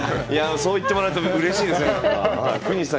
そう言ってもらうとうれしいです。